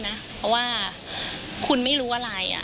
เพราะว่าคุณไม่รู้อะไร